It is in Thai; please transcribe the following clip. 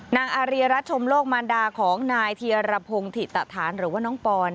นางอาริรัติชมโลกมารดาของนายเทียระพงธิตฐานหรือว่าน้องปอนด์